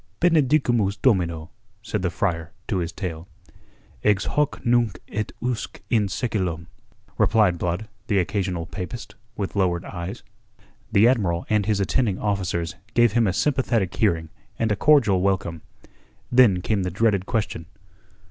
"Benedicamus Domino," said the friar to his tale. "Ex hoc nunc et usque in seculum," replied Blood, the occasional papist, with lowered eyes. The Admiral and his attending officers gave him a sympathetic hearing and a cordial welcome. Then came the dreaded question.